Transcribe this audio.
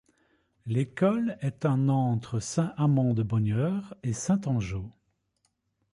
L'école est un entre Saint-Amant-de-Bonnieure et Saint-Angeau.